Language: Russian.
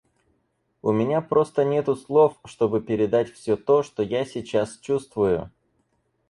У меня просто нету слов, чтобы передать все то, что я сейчас чувствую.